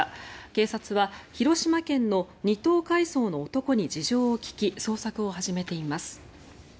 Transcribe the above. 警察は広島県の２等海曹の男に事情を聴き捜索を始めています。